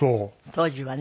当時はね。